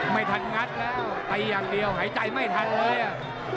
ไม่ทันงัดแล้วตีอย่างเดียวหายใจไม่ทันเลยอ่ะ